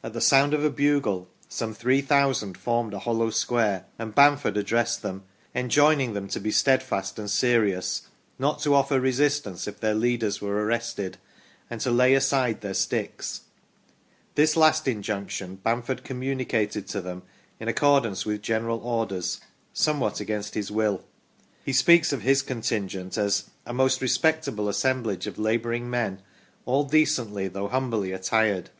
At the sound of a bugle, some 3000 formed a hollow square and Bamford 'addressed them, enjoining them to be steadfast and serious, not to offer resistance if their leaders were ar rested, and to lay aside their sticks. This last injunction Bamford communicated to them, in accordance with general orders, somewhat against his will. He speaks of his contingent as " a most respectable assemblage of labouring men, all decently, though humbly, attired